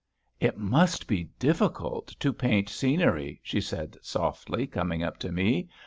"It must be difficult to paint scenery," she said softly, coming up to me.